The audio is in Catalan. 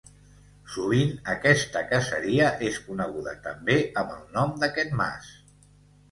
Sovint aquesta caseria és coneguda també amb el nom d'aquest mas.